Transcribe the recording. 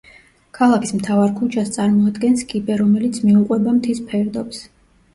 ქალაქის მთავარ ქუჩას წარმოადგენს კიბე, რომელიც მიუყვება მთის ფერდობს.